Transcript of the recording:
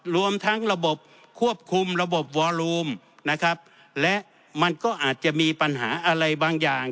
รวมทั้งระบบควบคุมระบบวอลูมนะครับและมันก็อาจจะมีปัญหาอะไรบางอย่าง